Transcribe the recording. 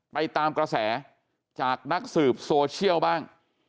ไปตามกระแสจากนักสืบโซเชียลบ้าง